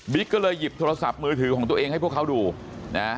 ก็เลยหยิบโทรศัพท์มือถือของตัวเองให้พวกเขาดูนะ